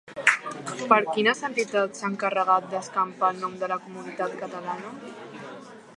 Per quines entitats s'ha encarregat d'escampar el nom de la comunitat catalana?